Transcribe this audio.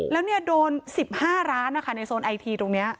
แล้วเนี้ยโดนสิบห้าร้านนะคะในโซนไอทีตรงเนี้ย